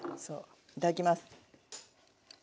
いただきます。